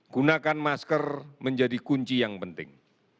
gunakan masker menjadi kunci yang penting